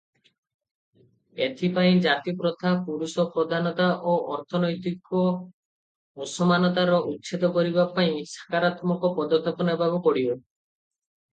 ଏଥିପାଇଁ ଜାତିପ୍ରଥା, ପୁରୁଷପ୍ରଧାନତା ଓ ଅର୍ଥନୈତିକ ଅସମାନତାର ଉଚ୍ଛେଦ କରିବା ପାଇଁ ସକାରାତ୍ମକ ପଦକ୍ଷେପ ନେବାକୁ ପଡ଼ିବ ।